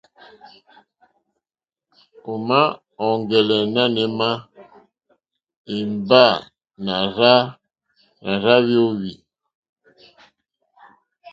O ma ɔ̀ŋgɛlɛ nanù ema imba nà rza o hwiya e?